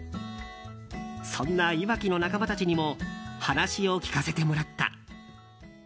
そんな、いわきの仲間たちにも話を聞かせてもらった。